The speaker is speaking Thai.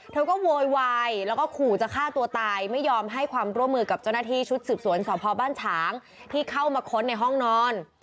เธอก็โวยวายแล้วก็ขู่จะฆ่าตัวตายไม่ยอมให้ความร่วมมือกับเจ้าหน้าที่ชุดสืบสวนสพบ้านฉางที่เข้ามาค้นในห้องนอน